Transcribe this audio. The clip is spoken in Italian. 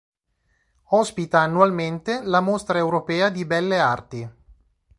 Ospita annualmente la Mostra Europea di Belle Arti.